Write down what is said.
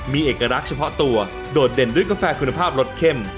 มีเอกลักษณ์เฉพาะตัวโดดเด่นด้วยกาแฟคุณภาพรสเข้ม